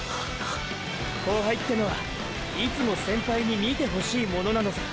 後輩ってのはいつも先輩に見てほしいものなのさ。